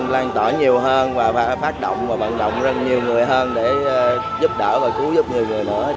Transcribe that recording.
lan tỏa nhiều hơn và phát động và vận động rất nhiều người hơn để giúp đỡ và cứu giúp nhiều người nữa